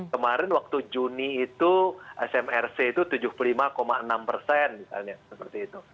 kemarin waktu juni itu smrc itu tujuh puluh lima enam persen misalnya seperti itu